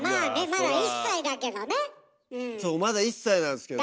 まだ１歳なんすけど。